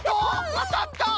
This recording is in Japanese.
あたった！？